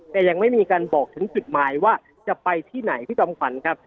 แต่ยังไม่มีการบอกถึงจุดหมายว่าจะไปที่ไหนพี่จอมขวัญครับ